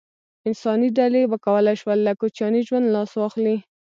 انساني ډلې وکولای شول له کوچیاني ژوند لاس واخلي.